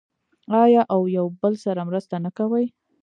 آیا او یو بل سره مرسته نه کوي؟